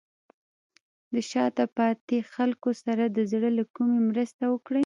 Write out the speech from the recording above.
د شاته پاتې خلکو سره د زړه له کومې مرسته وکړئ.